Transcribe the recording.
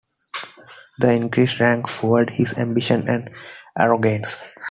The increased rank fuelled his ambition and arrogance.